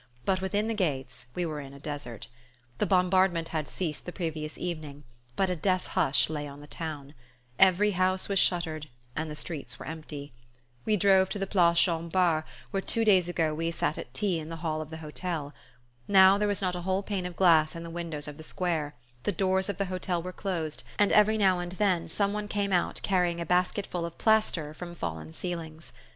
But within the gates we were in a desert. The bombardment had ceased the previous evening, but a death hush lay on the town, Every house was shuttered and the streets were empty. We drove to the Place Jean Bart, where two days ago we sat at tea in the hall of the hotel. Now there was not a whole pane of glass in the windows of the square, the doors of the hotel were closed, and every now and then some one came out carrying a basketful of plaster from fallen ceilings.